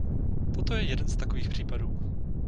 Toto je jeden z takových případů.